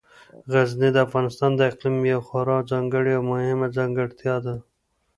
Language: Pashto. غزني د افغانستان د اقلیم یوه خورا ځانګړې او مهمه ځانګړتیا ده.